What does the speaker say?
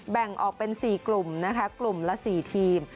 แบ่งออกเป็น๔กลุ่มนะคะกลุ่มละ๔ทีม